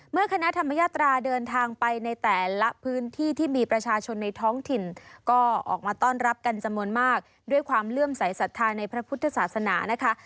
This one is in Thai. คณะธรรมยาตราเดินทางไปในแต่ละพื้นที่ที่มีประชาชนในท้องถิ่นก็ออกมาต้อนรับกันจำนวนมากด้วยความเลื่อมสายศรัทธาในพระพุทธศาสนานะคะ